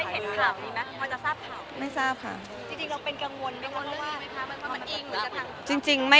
เนื้อหาดีกว่าน่ะเนื้อหาดีกว่าน่ะ